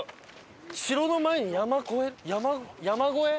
城の前に山越え山越え？